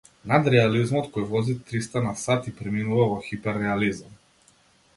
Надреализам кој вози триста на сат и преминува во хипер-реализам!